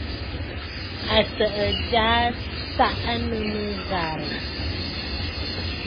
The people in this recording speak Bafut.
Àtsə̀ʼə̀ já á sáʼánə́mə́ ghàrə̀.